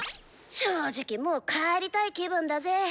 正直もう帰りたい気分だぜ。